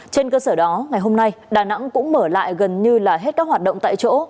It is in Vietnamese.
trên cơ sở đó ngày hôm nay đà nẵng cũng mở lại gần như là hết các hoạt động tại chỗ